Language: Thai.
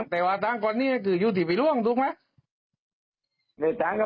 แต่ว่าตังค์ก่อนเนี้ยคือยูทีพี่ร่วงถูกไหมเด็ดตังค์ก็